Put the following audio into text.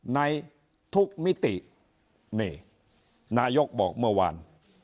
ในทุกมิตินี่นายกบอกเมื่อวาน